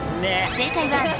正解はＢ。